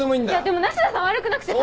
でも梨田さん悪くなくて。